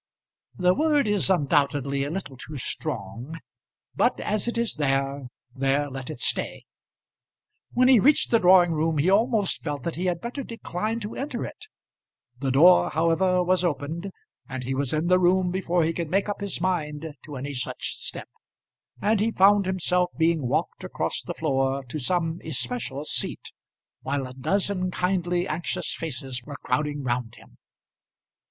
The word is undoubtedly a little too strong, but as it is there, there let it stay. When he reached the drawing room, he almost felt that he had better decline to enter it. The door however was opened, and he was in the room before he could make up his mind to any such step, and he found himself being walked across the floor to some especial seat, while a dozen kindly anxious faces were crowding round him.